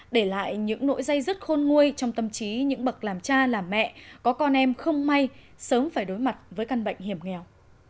để lại những nỗi dây dứt khôn nguôi trong tâm trí những bậc làm cha làm mẹ có con em không may sớm phải đối mặt với căn bệnh hiểm nghèo